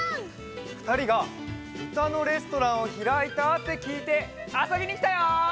ふたりがうたのレストランをひらいたってきいてあそびにきたよ！